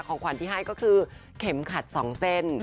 ของขวัญที่ให้ก็คือเข็มขัด๒เส้น